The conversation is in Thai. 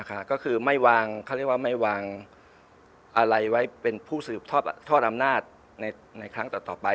ก็คือไม่วางเขาเรียกว่าไม่วางอะไรไว้เป็นผู้สืบทอดอำนาจในครั้งต่อไป